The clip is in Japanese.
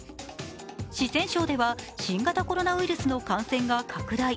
四川省では新型コロナウイルスの感染が拡大。